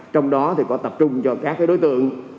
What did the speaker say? trong đó thì có tập trung cho các đối tượng